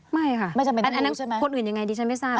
ไม่ค่ะอันนั้นคนอื่นยังไงดิฉันไม่ทราบ